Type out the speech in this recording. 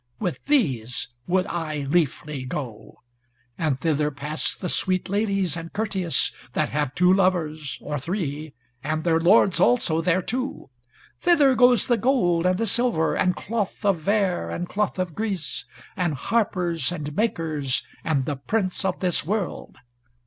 With these would I liefly go. And thither pass the sweet ladies and courteous that have two lovers, or three, and their lords also thereto. Thither goes the gold, and the silver, and cloth of vair, and cloth of gris, and harpers, and makers, and the prince of this world.